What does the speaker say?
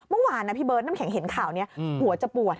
เมื่อวานนะพี่เบิร์ดน้ำแข็งเห็นข่าวนี้หัวจะปวด